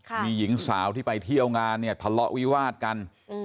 มีหญิงสาวที่ไปเที่ยวงานเนี่ยทะเลาะวิวาดกัน